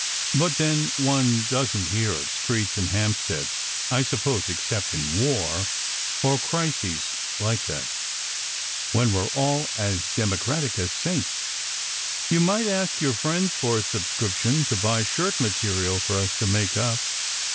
But then, one doesn t hear of streets in Hampstead, I suppose, except in war, or crises like that, when we re all as democratic as saints. You might ask your friends for a subscription to buy shirt material for us to make up.